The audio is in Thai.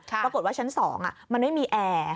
ปรากฏว่าชั้น๒มันไม่มีแอร์